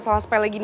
sampai jumpa lagi